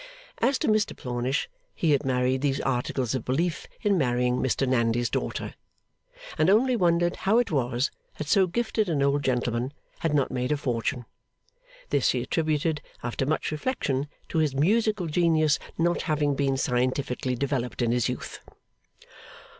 As to Mr Plornish, he had married these articles of belief in marrying Mr Nandy's daughter, and only wondered how it was that so gifted an old gentleman had not made a fortune. This he attributed, after much reflection, to his musical genius not having been scientifically developed in his youth.